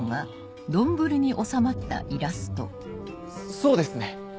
そうですね！